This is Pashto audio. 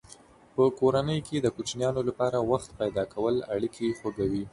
په کورنۍ کې د کوچنیانو لپاره وخت پیدا کول اړیکې خوږوي.